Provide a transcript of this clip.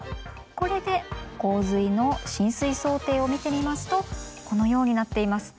これで洪水の浸水想定を見てみますとこのようになっています。